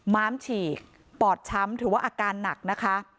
ม้ามฉีกปอดช้ำถือว่าอาการหนักนะคะ